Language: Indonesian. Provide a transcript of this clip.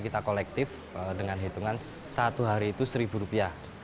kita kolektif dengan hitungan satu hari itu seribu rupiah